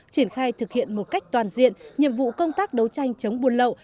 triển khai thực hiện một cách toàn diện nhiệm vụ công tác đấu tranh chống buôn lậu